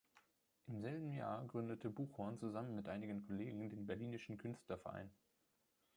Im selben Jahr gründete Buchhorn zusammen mit einigen Kollegen den "Berlinischen Künstler-Verein".